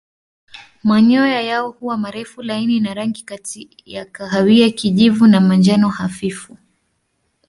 Manyoya yao huwa marefu laini na rangi kati ya kahawia kijivu na manjano hafifu.